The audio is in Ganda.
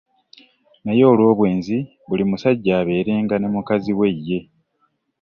Naye, olw'obwenzi, buli musajja abeerenga ne mukazi we ye.